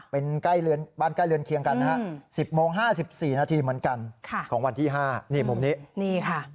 เป็นบ้านใกล้เรือนเคียงกันนะฮะ๑๐โมง๕๔นาทีเหมือนกันของวันที่๕นี่มุมนี้นี่ค่ะ